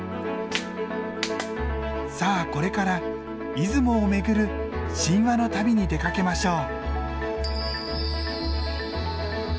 さあこれから出雲を巡る神話の旅に出かけましょう。